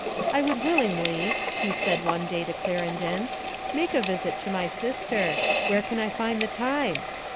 "I would willingly," he said one day to Clarendon, "make a visit to my sister; where can I find the time?"